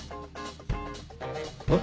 えっ？